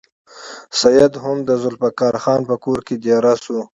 سید هم د ذوالفقار خان په کور کې دېره شو.